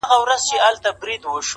د دوى دا هيله ده”